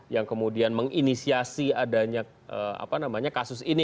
yang kemudian menginisiasi adanya kasus ini